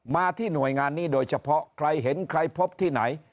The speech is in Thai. มาที่หน่วยงานนี้โดยเฉพาะใครเห็นใครพบที่ไหน